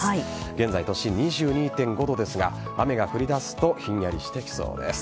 現在、都心２２．５度ですが雨が降り出すとひんやりしてきそうです。